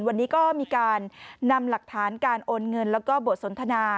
วันนี้ก็มีการนำหลักฐานการโอนเงินแล้วก็บทสนทนา